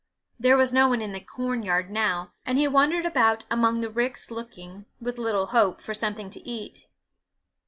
There was no one in the corn yard now, and he wandered about among the ricks looking, with little hope, for something to eat.